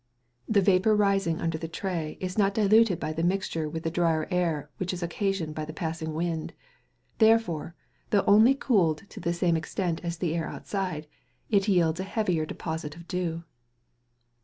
The vapour rising under the tray is not diluted by the mixture with the drier air which is occasioned by the passing wind; therefore, though only cooled to the same extent as the air outside, it yields a heavier deposit of dew.